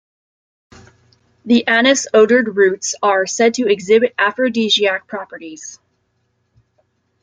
The anise-odored roots are said to exhibit aphrodisiac properties.